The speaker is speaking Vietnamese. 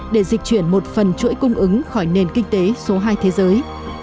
để dịch chuyển một phần chuỗi cung ứng khỏi nền kinh tế số hai thế giới